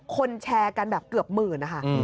แชร์กันแบบเกือบหมื่นนะคะ